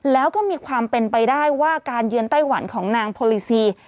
แล้วก็มีความเป็นไปได้ว่าการเยือนไต้หวันของนางโพลิซี